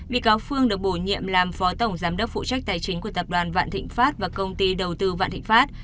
bị cáo phương được bổ nhiệm làm phó tổng giám đốc phụ trách tài chính của tập đoàn vạn thịnh pháp và công ty đầu tư vạn thịnh pháp